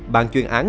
bàn chuyên án